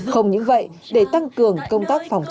không những vậy để tăng cường công tác phòng